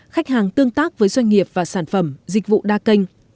khách hàng tương tác với doanh nghiệp và sản phẩm dịch vụ đa kênh